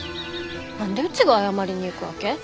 何でうちが謝りに行くわけ？